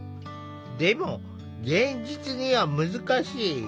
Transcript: でも現実には難しい。